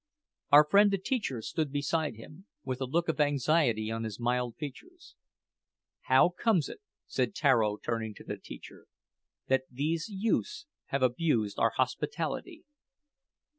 Our friend the teacher stood beside him, with a look of anxiety on his mild features. "How comes it," said Tararo, turning to the teacher, "that these youths have abused our hospitality?"